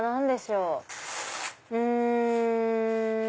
うん。